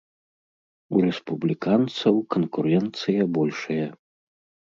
У рэспубліканцаў канкурэнцыя большая.